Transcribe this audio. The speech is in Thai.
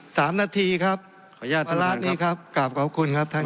สามนาทีครับขออนุญาตท่านครับวาระนี้ครับกราบขอบคุณครับท่านครับ